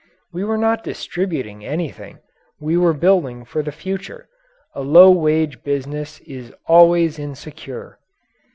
We were not distributing anything we were building for the future. A low wage business is always insecure.